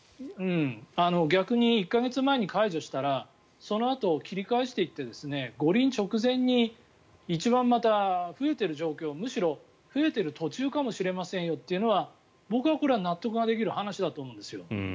逆に１か月前に解除したらそのあと切り返していって五輪直前に一番また増えている状況むしろ、増えている途中かもしれませんよというのは僕はこれ、納得ができる話だと思うんですよ。